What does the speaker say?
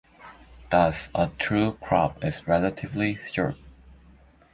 Thus, a true crop is relatively short.